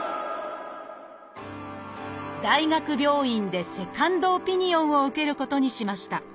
大学病院でセカンドオピニオンを受けることにしました。